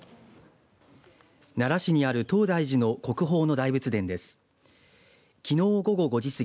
奈良市にある東大寺の国宝の大仏殿です。